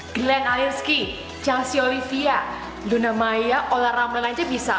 glenn alinsky chelsea olivia luna maya olahraga melancar bisa